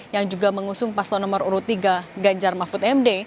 yang juga mengusung paslo nomor urut tiga ganjar mahfud md